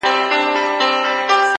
بيا دې د سندرو سره پښه وهمه _